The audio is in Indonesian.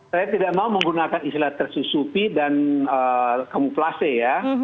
saya tidak mau menggunakan istilah tersusupi dan kamuflase ya